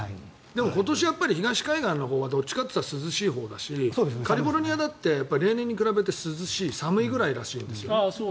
今年は東海岸のほうはどちらかというと涼しいほうだしカリフォルニアだって例年に比べて涼しい寒いくらいらしいんですね。